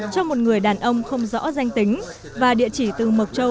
cho một người đàn ông không rõ danh tính và địa chỉ từ mộc châu